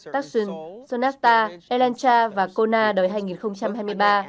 taksun sonata elantra và kona đầy hai nghìn hai mươi ba